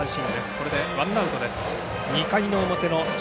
これでワンアウトです。